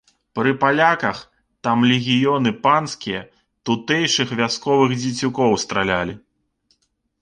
Пры паляках там легіёны панскія тутэйшых вясковых дзецюкоў стралялі.